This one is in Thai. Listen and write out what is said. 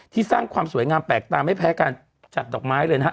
สร้างความสวยงามแปลกตาไม่แพ้การจัดดอกไม้เลยนะฮะ